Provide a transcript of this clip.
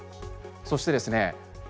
そしてですね